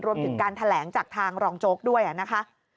รวมถึงการแถลงจากทางรองโจ๊กด้วยนะคะ